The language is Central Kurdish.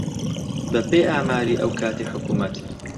بەپێی ئاماری ئەو کاتی حکوومەت